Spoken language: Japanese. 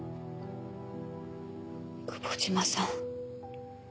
久保島さん。